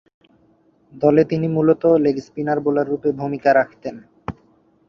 দলে তিনি মূলতঃ লেগ স্পিন বোলাররূপে ভূমিকা রাখতেন।